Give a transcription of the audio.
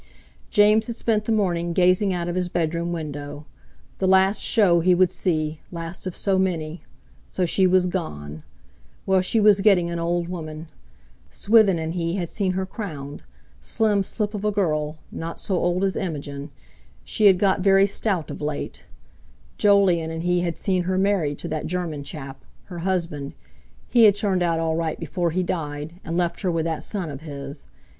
James had spent the morning gazing out of his bedroom window. The last show he would see, last of so many! So she was gone! Well, she was getting an old woman. Swithin and he had seen her crowned—slim slip of a girl, not so old as Imogen! She had got very stout of late. Jolyon and he had seen her married to that German chap, her husband—he had turned out all right before he died, and left her with that son of his.